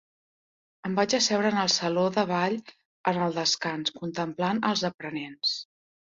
Em vaig asseure en el saló de ball en el descans, contemplant als aprenents.